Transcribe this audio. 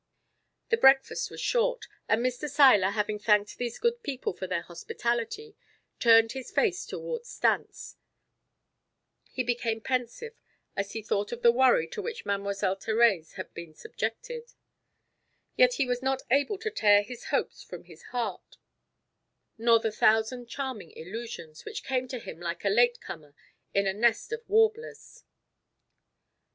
The breakfast was short, and Mr. Seiler having thanked these good people for their hospitality, turned his face toward Stantz; he became pensive, as he thought of the worry to which Mademoiselle Therèse had been subjected; yet he was not able to tear his hopes from his heart, nor the thousand charming illusions, which came to him like a latecomer in a nest of warblers.